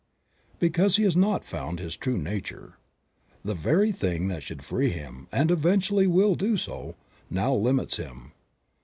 because he has not found his true nature. The very thing that should free him, and eventually will do so, now limits him.